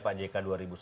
pak jk dua ribu sembilan